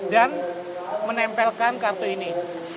dan menempelkan kartu ini